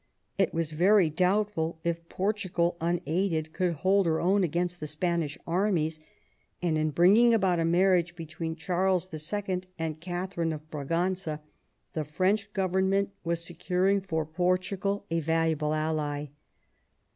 It was very doubtful if Portugal unaided could hold her own against the Spanish armies, and in bringing about a marriage between Charles II. and Katharine of Braganza the French government was securing for Portugal a valuable ally.